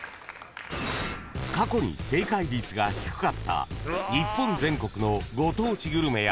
［過去に正解率が低かった日本全国のご当地グルメや観光名所］